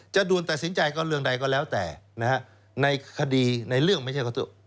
ด่วนตัดสินใจก็เรื่องใดก็แล้วแต่นะฮะในคดีในเรื่องไม่ใช่